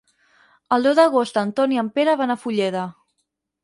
El deu d'agost en Ton i en Pere van a Fulleda.